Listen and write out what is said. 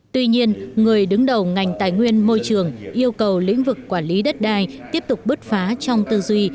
tuy nhiên người đứng đầu ngành tài nguyên môi trường yêu cầu lĩnh vực quản lý đất đai tiếp tục bứt phá trong tư duy